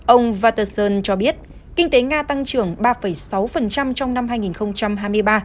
ông vaterson cho biết kinh tế nga tăng trưởng ba sáu trong năm hai nghìn hai mươi ba